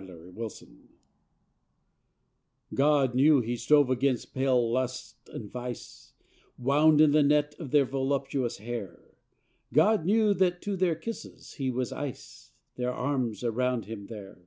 ASPIRATION God knew he strove against pale lust and vice, Wound in the net of their voluptuous hair: God knew that to their kisses he was ice, Their arms around him there.